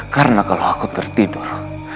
karena kalau aku tertidur